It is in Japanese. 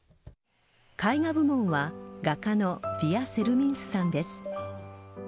絵画部門は画家のヴィヤ・セルミンスさんです。